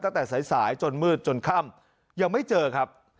ตั้งแต่สายจนมืดจนค่ำยังไม่เจอครับ